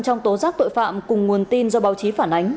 trong tố giác tội phạm cùng nguồn tin do báo chí phản ánh